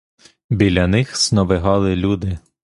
Біля них сновигали люди.